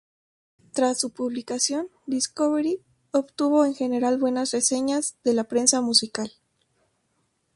Tras su publicación, "Discovery" obtuvo en general buenas reseñas de la prensa musical.